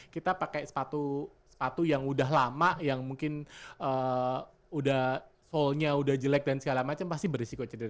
kita pakai sepatu sepatu yang udah lama yang mungkin udah fullnya udah jelek dan segala macam pasti berisiko cedera